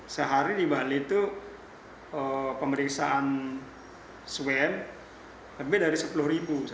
sehari di bali itu pemeriksaan swab lebih dari sepuluh ribu